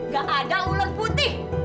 gak ada ular putih